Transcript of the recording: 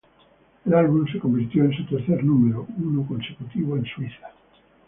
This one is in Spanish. El álbum se convirtió en su tercer número uno consecutivo en Suiza.